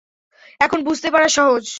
এখন বুঝতে পারা সহজ।